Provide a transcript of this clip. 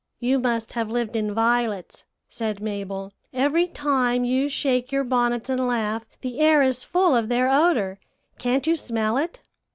"'You must have lived in violets,' said Mabel. 'Every time you shake your bonnets and laugh, the air is full of their odor. Can't you smell it?'